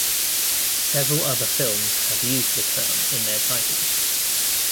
Several other films have used the term in their titles.